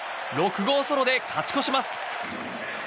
６号ソロで勝ち越します。